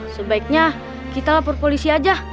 sebaiknya kita lapor polisi aja